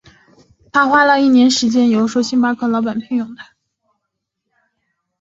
他花了一年的时间游说星巴克的老板聘用他。